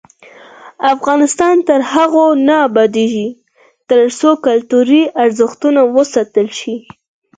افغانستان تر هغو نه ابادیږي، ترڅو کلتوري ارزښتونه وساتل شي.